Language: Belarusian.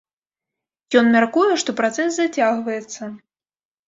Ён мяркуе, што працэс зацягваецца.